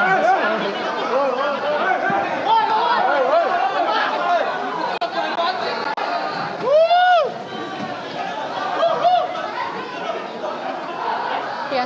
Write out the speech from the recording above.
yoga oleh pendukung dari restream mother story